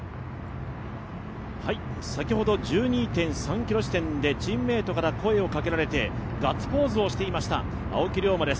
先ほど１２．３ｋｍ地点でチームメートから声をかけられてガッツポーズをしていました青木涼真です。